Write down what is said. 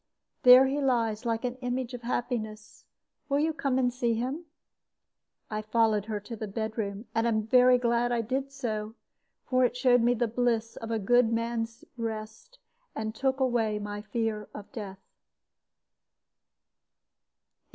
There he lies, like an image of happiness. Will you come and see him?" I followed her to the bedroom, and am very glad that I did so; for it showed me the bliss of a good man's rest, and took away my fear of death.